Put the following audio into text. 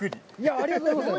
ありがとうございます。